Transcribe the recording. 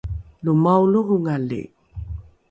lo maolohongali